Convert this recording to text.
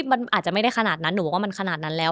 มันอาจจะไม่ได้ขนาดนั้นหนูบอกว่ามันขนาดนั้นแล้ว